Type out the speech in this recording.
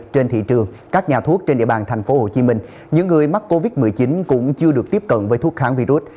trên thị trường các nhà thuốc trên địa bàn tp hcm những người mắc covid một mươi chín cũng chưa được tiếp cận với thuốc kháng virus